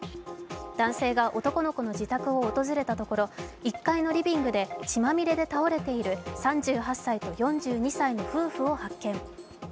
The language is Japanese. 男性が男の子の自宅を訪れたところ１階のリビングで血まみれで倒れている３８歳と４２歳の夫婦を発見。